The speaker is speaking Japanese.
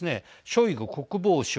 ショイグ国防相。